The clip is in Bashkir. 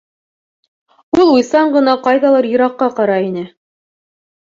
Ул уйсан ғына ҡайҙалыр йыраҡҡа ҡарай ине.